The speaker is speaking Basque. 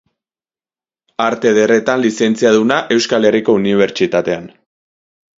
Arte Ederretan lizentziaduna Euskal Herriko Unibertsitatean.